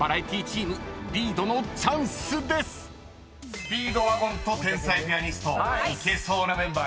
［スピードワゴンと天才ピアニストいけそうなメンバーですね］